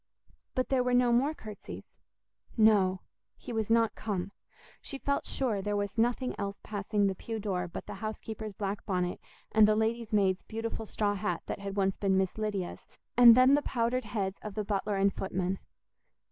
But there were no more curtsies—no, he was not come; she felt sure there was nothing else passing the pew door but the house keeper's black bonnet and the lady's maid's beautiful straw hat that had once been Miss Lydia's, and then the powdered heads of the butler and footman.